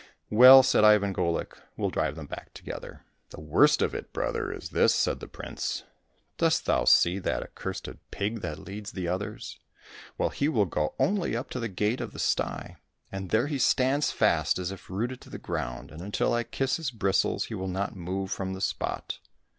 " Well," said Ivan Golik, " we'll drive them back together." '' The worst of it, brother, is this," said the prince. " Dost thou see that accursed pig that leads the others ? Well, he will go only up to the gate of the sty, and there he stands fast as if rooted to the ground, and until I kiss his bristles he will not move from the spot.